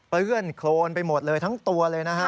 เปื้อนโครนไปหมดเลยทั้งตัวเลยนะฮะ